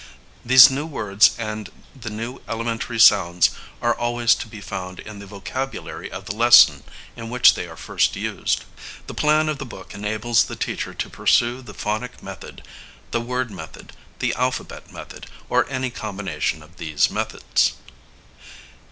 These new words and the new elementary sounds are always to be found in the vocabulary of the lesson in which they are first used. The plan of the book enables the teacher to pursue the Phonic Method, the Word Method, the Alphabet Method, or any combination of these methods.